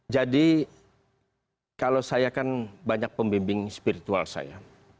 jadi kalau saya kan banyak pembimbing spiritual saya